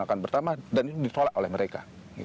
akan bertambah dan ditolak oleh mereka